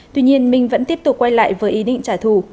tuy nhiên minh vẫn tiếp tục quay lại với ý định trả thù